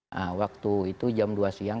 nah waktu itu jam dua siang